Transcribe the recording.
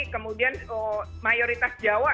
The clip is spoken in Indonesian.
kemudian mayoritas jawa